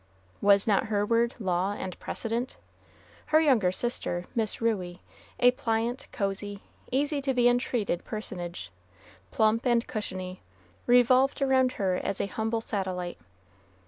was not her word law and precedent? Her younger sister, Miss Ruey, a pliant, cozy, easy to be entreated personage, plump and cushiony, revolved around her as a humble satellite.